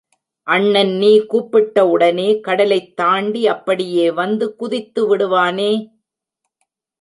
அண்ணன் நீ கூப்பிட்ட உடனே கடலைத் தாண்டி அப்படியே வந்து குதித்து விடுவானே?